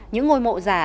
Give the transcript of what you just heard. những ngôi mộ giả